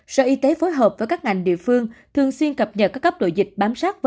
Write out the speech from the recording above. sở y tế phối hợp với các ngành địa phương thường xuyên cập nhật các cấp đội dịch bám sát và